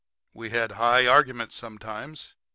We had high arguments sometimes.